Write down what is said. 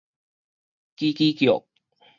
吱吱叫